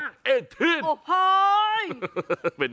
สุดยอดน้ำมันเครื่องจากญี่ปุ่น